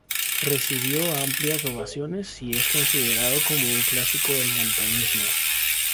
Recibió amplias ovaciones, y es considerado como un clásico del montañismo.